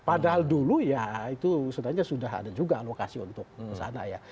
padahal dulu ya itu sebenarnya sudah ada juga alokasi untuk kesana ya